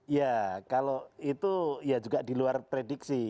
ya kalau itu ya juga di luar prediksi